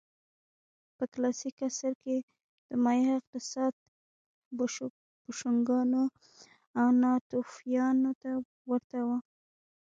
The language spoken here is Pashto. په کلاسیک عصر کې د مایا اقتصاد بوشونګانو او ناتوفیانو ته ورته و